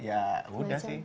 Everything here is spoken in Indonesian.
ya udah sih